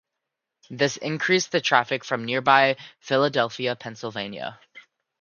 This increased the traffic from nearby Philadelphia, Pennsylvania.